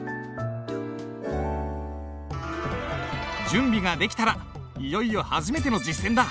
準備ができたらいよいよはじめての実践だ。